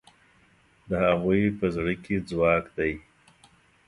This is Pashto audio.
د هغوی په زړه کې ځواک دی.